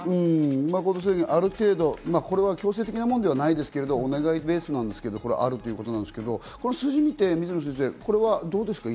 これは強制的なものではないですけど、お願いベースですけど、あるということですけど、この数字を見て、水野先生、どうですか？